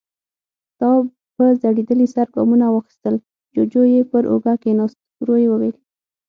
تواب په ځړېدلي سر ګامونه واخيستل، جُوجُو يې پر اوږه کېناست، ورو يې وويل: